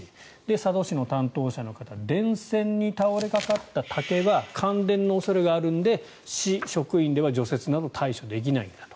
佐渡市の担当者の方電線に倒れかかった竹は感電の恐れがあるので市職員では除雪など対処できないんだと。